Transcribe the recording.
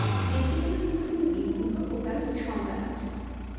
ব্যক্তিগত জীবনে তিনি বিবাহিত ও তার দুই সন্তান আছে।